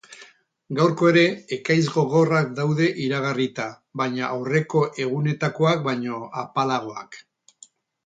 Gaurko ere, ekaitz gogorrak daude iragarrita, baina aurreko egunetakoak baino apalagoak.